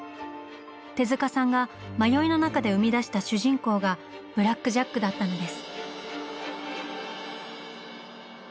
手さんが迷いの中で生み出した主人公がブラック・ジャックだったのです。